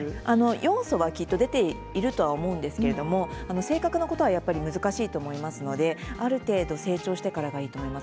要素はきっと出ていると思うんですけど正確なことは難しいと思いますのである程度、成長してからがいいと思います。